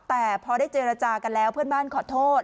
แต่พอได้เจรจากันแล้วเพื่อนบ้านขอโทษ